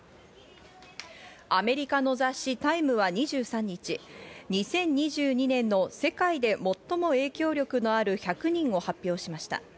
アメリカの雑誌『ＴＩＭＥ』は２３日、２０２２年の世界で最も影響力のある１００人を発表しました。